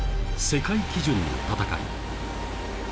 世界基準の戦い。